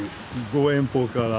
ご遠方から。